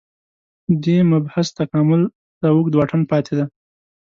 دې مبحث تکامل ته اوږد واټن پاتې دی